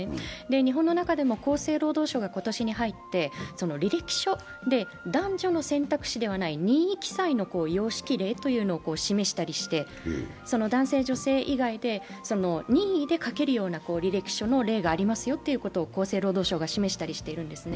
日本の中でも厚生労働省が今年に入って履歴書で男女の選択肢ではない任意記載の様式例を示したりして男性、女性以外で任意で書けるような履歴書の例がありますよと厚生労働省が示したりしているんですね。